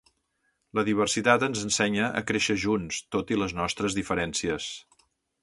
La diversitat ens ensenya a créixer junts, tot i les nostres diferències.